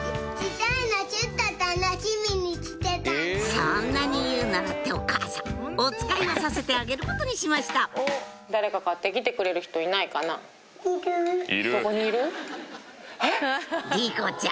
そんなに言うならってお母さんおつかいをさせてあげることにしました莉子ちゃん